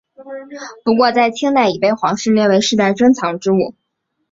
不过在清代已被皇室列为世代珍藏之物。